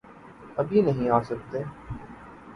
ابھی نہیں آسکتے۔۔۔